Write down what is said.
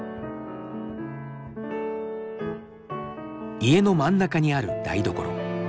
家の真ん中にある台所。